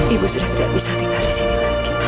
ibu sudah tidak bisa tinggal di sini lagi